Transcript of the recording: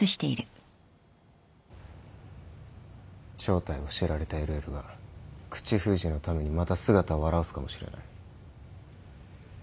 正体を知られたＬＬが口封じのためにまた姿を現すかもしれない。